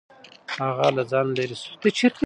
هغه له ځانه لرې شو.